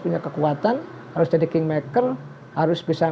yang terputus sebagai pertugas partai